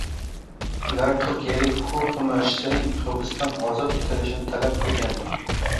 Ular turkiyalik huquq himoyachisining hibsdan ozod etilishini talab qilgandi